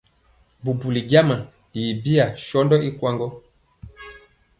Bubuli jama i biyaa sɔndɔ i kwaŋ gɔ.